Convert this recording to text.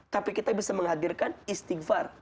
tapi kita bisa menghadirkan istighfar